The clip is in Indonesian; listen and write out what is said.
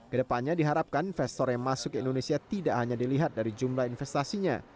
kedepannya diharapkan investor yang masuk ke indonesia tidak hanya dilihat dari jumlah investasinya